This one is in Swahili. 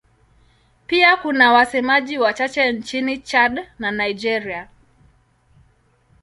Pia kuna wasemaji wachache nchini Chad na Nigeria.